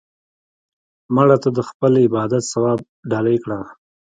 مړه ته د خپل عبادت ثواب ډالۍ کړه